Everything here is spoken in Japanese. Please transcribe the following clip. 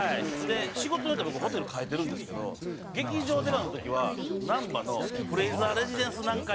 で仕事によって僕ホテル変えてるんですけど劇場出番の時は難波のフレイザーレジデンス南海